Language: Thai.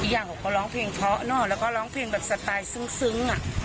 อย่างเขาก็ร้องเพลงเพราะเนอะแล้วก็ร้องเพลงแบบสไตล์ซึ้งอ่ะ